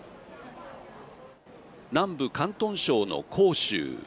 南部、広東省の広州。